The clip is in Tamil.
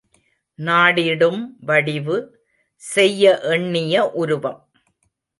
நாடிடும் வடிவு—செய்ய எண்ணிய உருவம்.